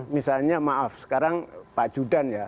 misalnya maaf sekarang pak judan ya